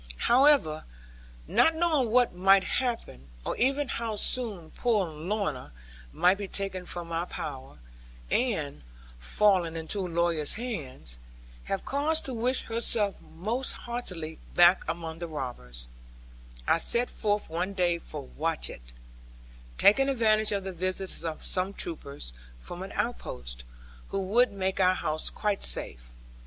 However, not knowing what might happen, or even how soon poor Lorna might be taken from our power, and, falling into lawyers' hands, have cause to wish herself most heartily back among the robbers, I set forth one day for Watchett, taking advantage of the visit of some troopers from an outpost, who would make our house quite safe.